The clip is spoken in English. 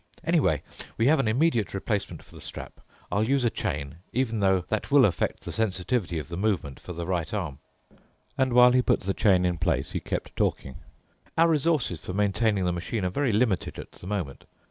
Anyway, we have an immediate replacement for the strap. I'll use a chain—even though that will affect the sensitivity of the movements for the right arm." And while he put the chain in place, he kept talking, "Our resources for maintaining the machine are very limited at the moment.